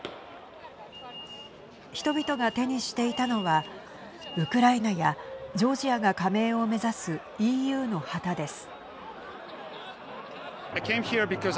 人々が手にしていたのはウクライナやジョージアが加盟を目指すＥＵの旗です。